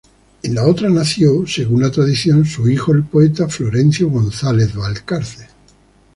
En la otra nació, según la tradición, su hijo el poeta Florencio González Balcarce.